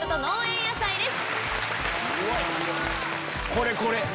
これこれ！